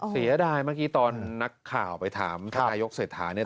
เสียดายเมื่อกี้ตอนนักข่าวไปถามขนายกเสธฐานี่